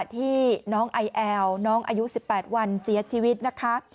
ที่น้องไอแอลน้องอายุ๑๘วันเสียชีวิตนะคะ